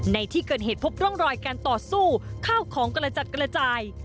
ในที่เกิดเหตุพบร่องรอยการต่อสู้ข้าวของกระจัดกระจาย